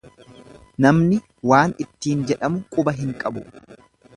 Namni waan ittin jedhamu quba hin qabu.